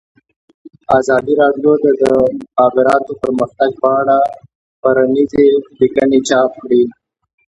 ازادي راډیو د د مخابراتو پرمختګ په اړه څېړنیزې لیکنې چاپ کړي.